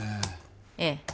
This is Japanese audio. ええ